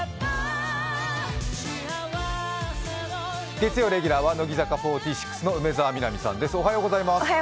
月曜レギュラーは乃木坂４６の梅澤美波さんです。